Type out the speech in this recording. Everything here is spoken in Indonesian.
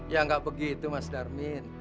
ya nggak begitu mas darmin